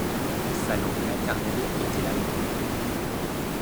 Sa langue maternelle était l'allemand.